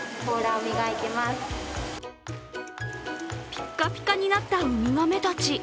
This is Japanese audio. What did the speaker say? ピカピカになったウミガメたち。